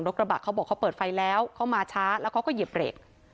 กระบะเขาบอกเขาเปิดไฟแล้วเขามาช้าแล้วเขาก็เหยียบเบรก